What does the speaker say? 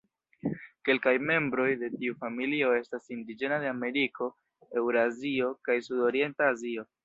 Kelkaj membroj de tiu familio estas indiĝena de Ameriko, Eŭrazio, kaj Sudorienta Azio.